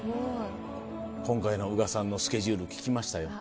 今回の宇賀さんのスケジュール聞きましたよ。